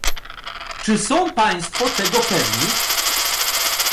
Czy są Państwo tego pewni?